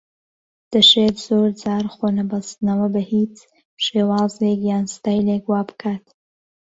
دەشێت زۆر جار خۆنەبەستنەوە بە هیچ شێوازێک یان ستایلێک وا بکات